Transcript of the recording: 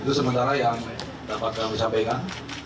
itu sementara yang dapat kami sampaikan